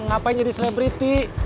ngapain jadi selebriti